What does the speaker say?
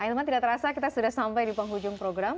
ahilman tidak terasa kita sudah sampai di penghujung program